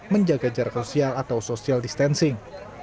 menjaga jarak sosial atau social distancing